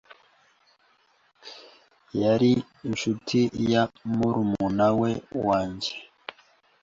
yari inshuti ya murumunawe wanjye.